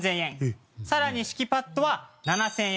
さらに敷きパッドは７０００円。